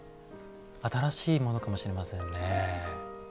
新しいものかもしれないですね。